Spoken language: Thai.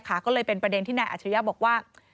ก็เลยเป็นประเด็นที่นายอัชริยะบอกว่า